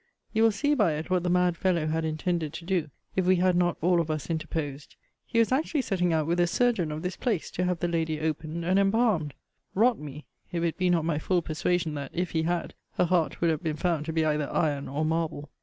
You will see by it what the mad fellow had intended to do, if we had not all of us interposed. He was actually setting out with a surgeon of this place, to have the lady opened and embalmed. Rot me if it be not my full persuasion that, if he had, her heart would have been found to be either iron or marble.